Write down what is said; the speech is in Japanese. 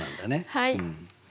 はい。